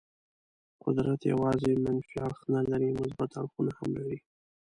قدرت یوازې منفي اړخ نه لري، مثبت اړخونه هم لري.